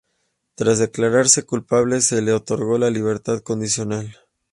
Tras declararse culpable, se le otorgó la libertad condicional.